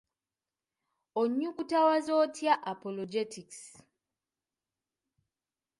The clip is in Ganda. Onyukutawaza otya "apologetics"?